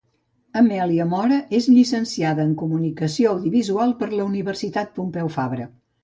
Amèlia Mora és llicenciada en Comunicació Audiovisual per la Universitat Pompeu Fabra.